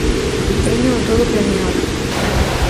Téñoo todo planeado.